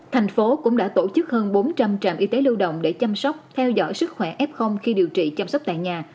thành phố cũng đã tổ chức hơn bốn trăm linh trạm y tế lưu động để chăm sóc theo dõi sức khỏe f khi điều trị chăm sóc tại nhà